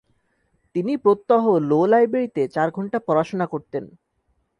তিনি প্রত্যহ “লো” লাইব্রেরিতে চার ঘণ্টা পড়াশোনা করতেন।